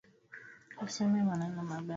Usiseme maneno mabaya.